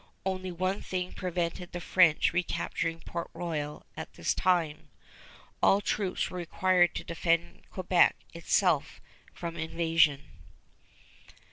Only one thing prevented the French recapturing Port Royal at this time. All troops were required to defend Quebec itself from invasion.